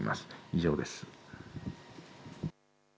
以上です。